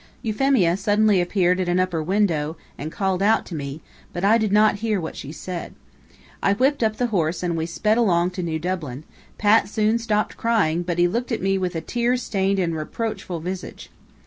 Euphemia suddenly appeared at an upper window and called out to me, but I did not hear what she said. I whipped up the horse and we sped along to New Dublin. Pat soon stopped crying, but he looked at me with a tear stained and reproachful visage.